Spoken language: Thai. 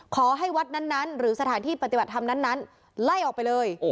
ขอให้วัดนั้นหรือสถานที่ปฏิบัติธรรมนั้นไล่ออกไปเลย